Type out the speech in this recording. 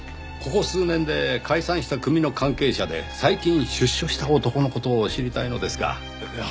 ここ数年で解散した組の関係者で最近出所した男の事を知りたいのですが。